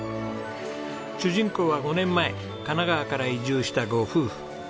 主人公は５年前神奈川から移住したご夫婦。